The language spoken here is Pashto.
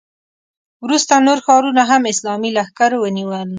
وروسته نور ښارونه هم اسلامي لښکرو ونیول.